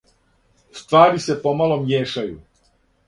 "Ствари се помало мијешају."